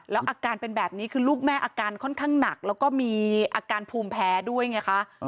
แล้วอาการเป็นแบบนี้คือลูกแม่อาการค่อนข้างหนักแล้วก็มีอาการภูมิแพ้ด้วยไงคะ